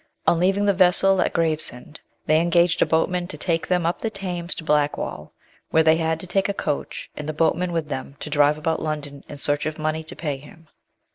ON leaving the vessel at Gravesend, they engaged a boatman to take them up the Thames to Blackwall, where they had to take a coach, and the boatman with them, to drive about London in search of money to pay him.